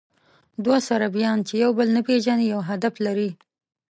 دوه صربیان، چې یو بل نه پېژني، یو هدف لري.